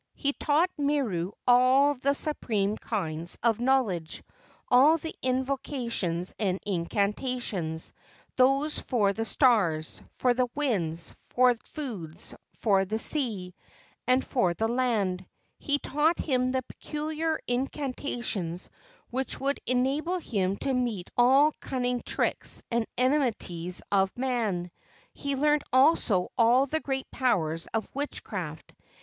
He taught Miru all the supreme kinds of knowledge, all the invocations and incantations, those for the stars, for the winds, for foods, for the sea, and for the land. He taught him the peculiar incantations which would enable him to meet all cunning tricks and enmities of man. He learned also all the great powers of witchcraft.